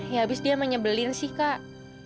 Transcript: ya habis dia menyebelin sih kak